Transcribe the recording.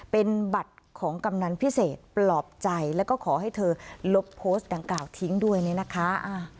เป็นบัตรของกำนันพิเศษปลอบใจแล้วก็ขอให้เธอลบโพสต์ดังกล่าวทิ้งด้วยเนี่ยนะคะ